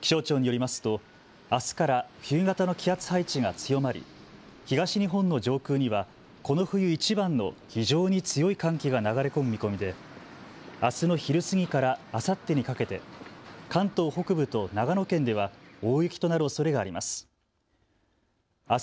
気象庁によりますと、あすから冬型の気圧配置が強まり東日本の上空にはこの冬いちばんの非常に強い寒気が流れ込む見込みであすの昼過ぎからあさってにかけて関東北部と長野県では大雪となるおそれがあります。